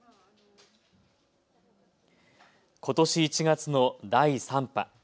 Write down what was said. ことし１月の第３波。